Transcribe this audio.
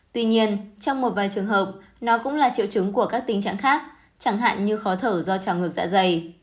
tuy nhiên trong một vài trường hợp nó cũng là triệu chứng của các tình trạng khác chẳng hạn như khó thở do trào ngược dạ dày